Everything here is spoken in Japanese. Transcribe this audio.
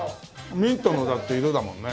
ミントのだって色だもんね。